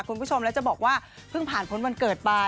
คุณผู้ชมแล้วจะบอกว่าเพิ่งผ่านพ้นวันเกิดไป